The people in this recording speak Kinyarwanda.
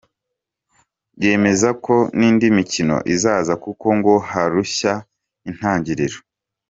Yemeza ko n’indi mikino izaza kuko ngo harushya intangiriro.